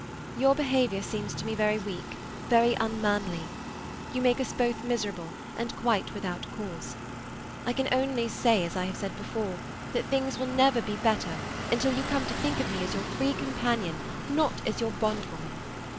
"Your behaviour seems to me very weak, very unmanly. You make us both miserable, and quite without cause. I can only say as I have said before, that things will never be better until you come to think of me as your free companion, not as your bond woman.